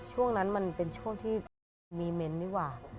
ช่วงนั้นมันเป็นช่วงที่มีเมนต์ดีกว่า